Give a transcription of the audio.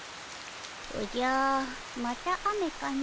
おじゃまた雨かの。